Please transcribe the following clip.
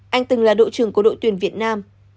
anh từng là đội trưởng của đội tuyển việt nam